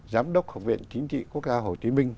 giám đốc học viện chính trị quốc gia hồ chí minh